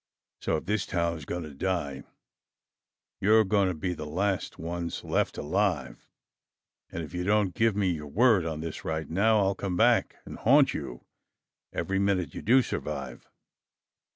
So, if this town is going to die, you are going to be the last ones left alive, and if you don't give me your word on this right now I'll come back and haunt you every minute you do survive!"